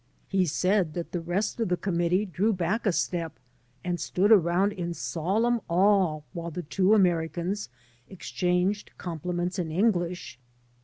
He said that the rest of the committee drew back a step and stood around in solemn awe while the two Americans exchanged compliments in English.